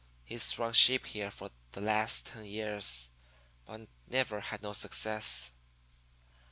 He's run sheep here for the last ten years, but never had no success.'